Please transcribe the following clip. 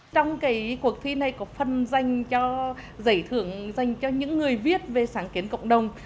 trong cuộc thi này có phần dành cho giải thưởng dành cho những người viết về sáng kiến cộng đồng